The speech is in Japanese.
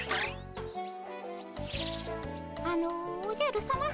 あのおじゃるさま。